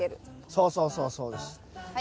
そうそうそうそうです。